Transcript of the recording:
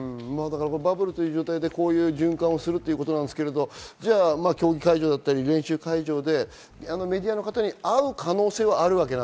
バブルという状態で循環するということですが、競技会場、練習会場でメディアの方に会う可能性はあります。